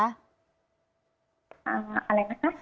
อะไรนะคะ